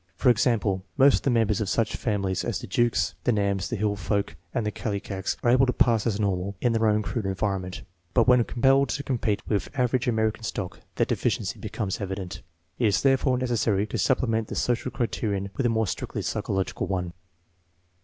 For example, most of the members of such families as the Jukes, the Nams, the Hill Folk, and the Kallikaks are able to pass as normal in their own crude environment, but when compelled to compete with average American stock their deficiency becomes evident. It is therefore necessary to supplement the social criterion with a more strictly psychological one.